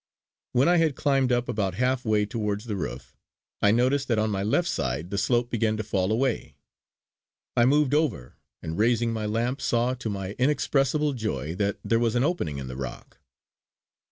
When I had climbed up about half way towards the roof, I noticed that on my left side the slope began to fall away. I moved over and raising my lamp saw to my inexpressible joy that there was an opening in the rock.